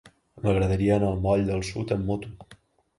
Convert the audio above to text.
M'agradaria anar al moll del Sud amb moto.